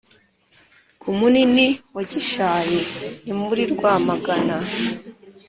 ku munini wa gishari: ni muri rwamagana